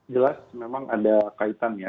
jelas memang ada kaitan ya